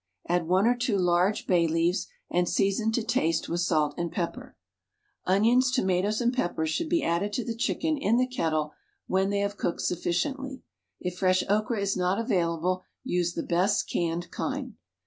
Add one or two large bay leaves and season to taste with salt and pepper. WRITTEN FOR MEN BY MEN Onions, tomatoes and peppers should be added to the chicken in the kettle when they have cooked sufficiently. If fresh okra is not available use the best canned kind.